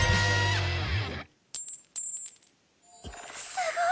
すごい！